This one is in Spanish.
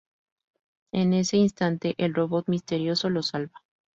En ese instante el robot misterioso lo salva.